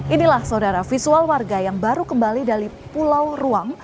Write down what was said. inilah saudara visual warga yang baru kembali dari pulau ruang